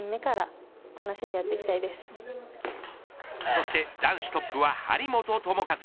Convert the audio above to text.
そして男子トップは張本智和。